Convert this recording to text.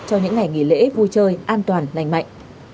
cho những ngày nghỉ lễ vui chơi an toàn lành mạnh